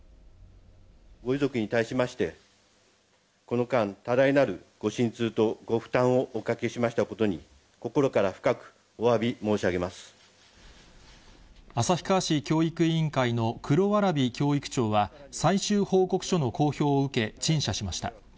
ご遺族に対しまして、この間、多大なるご心痛とご負担をおかけしましたことに、心から深くおわ旭川市教育委員会の黒蕨教育長は、最終報告書の公表を受け、陳謝しました。